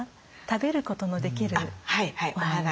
食べることのできるお花。